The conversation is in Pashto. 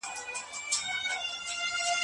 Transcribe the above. کمونستان د پیاوړې ارادې خاوندان وو.